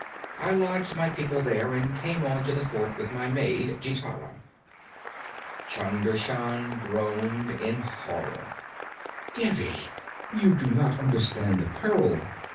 'I lodged my people there and came on to the fort with my maid, Gitara.' Chunder Shan groaned in horror. 'Devi! You do not understand the peril.